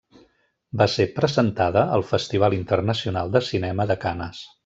Va ser presentada al Festival Internacional de Cinema de Canes.